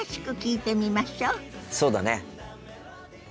そうだね。